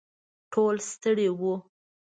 ټول ستړي وو.